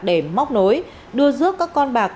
để móc nối đưa rước các con bạc